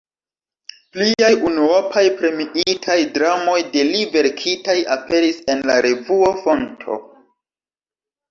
Pliaj unuopaj premiitaj dramoj de li verkitaj aperis en la revuo "Fonto".